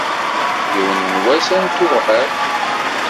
Yiwen n wass ad n-tuɣal.